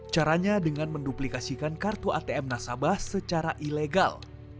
caranya dengan menduplikasikan kartu atm nasabah secara ilegal